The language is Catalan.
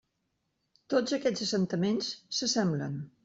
Tots aquests assentaments s'assemblen.